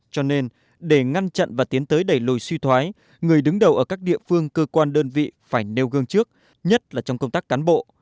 cho nên để ngăn chặn và tiến tới đẩy lùi suy thoái người đứng đầu ở các địa phương cơ quan đơn vị phải nêu gương trước nhất là trong công tác cán bộ